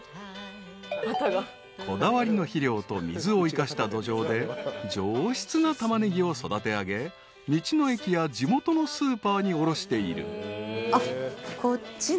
［こだわりの肥料と水を生かした土壌で上質なたまねぎを育て上げ道の駅や地元のスーパーに卸している］